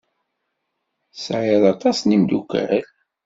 Tesɛiḍ aṭas n yimeddukal?